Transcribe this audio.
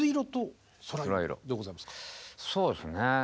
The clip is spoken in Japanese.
そうですね